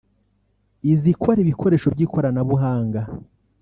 izikora ibikoresho by’ikoranabuhanga…